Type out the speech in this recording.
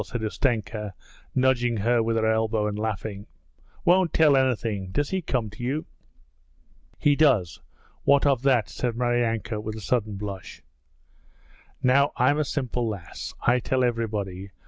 said Ustenka, nudging her with her elbow and laughing. 'Won't tell anything. Does he come to you?' 'He does. What of that?' said Maryanka with a sudden blush. 'Now I'm a simple lass. I tell everybody.